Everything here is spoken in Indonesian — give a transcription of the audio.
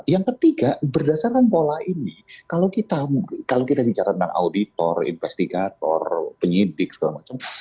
yang ketiga berdasarkan pola ini kalau kita bicara tentang auditor investigator penyidik segala macam